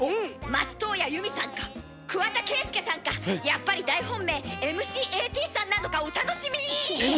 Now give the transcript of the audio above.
松任谷由実さんか桑田佳祐さんかやっぱり大本命ｍ．ｃ．Ａ・Ｔさんなのかお楽しみに！